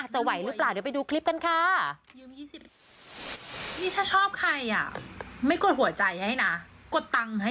ไหวหรือเปล่าเดี๋ยวไปดูคลิปกันค่ะ